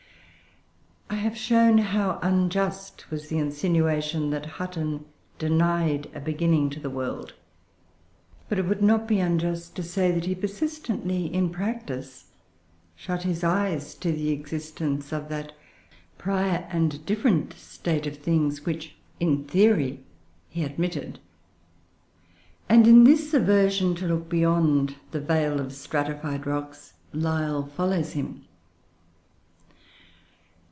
I have shown how unjust was the insinuation that Hutton denied a beginning to the world. But it would not be unjust to say that he persistently in practice, shut his eyes to the existence of that prior and different state of things which, in theory, he admitted; and, in this aversion to look beyond the veil of stratified rocks, Lyell follows him.